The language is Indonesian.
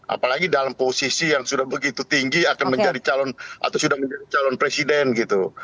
apalagi dalam posisi yang sudah begitu tinggi akan menjadi calon atau sudah menjadi calon presiden gitu